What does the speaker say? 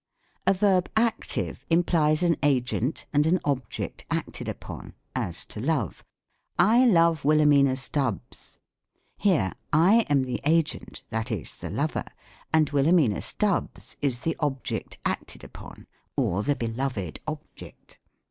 A Verb Active implies an agent, and an object acted upon; as, to love; "I love Wilhelmina Stubbs." Here, I am the agent ; that is, the lover ; and Wilhel mina Stubbs is the object acted upon, or the beloved object.